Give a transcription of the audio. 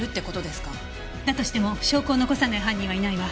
だとしても証拠を残さない犯人はいないわ。